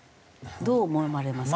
どう思われますか？